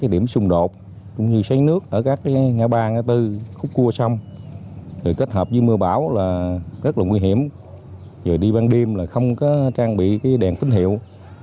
đến chợ nổi đần ca tài tử